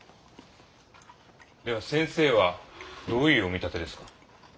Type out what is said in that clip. では先生はどういうお見立てですか？